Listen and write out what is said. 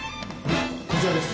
こちらです。